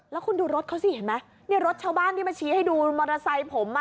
แล้วคุณดูรถเขาสิเห็นไหมเนี่ยรถชาวบ้านที่มาชี้ให้ดูมอเตอร์ไซค์ผมอ่ะ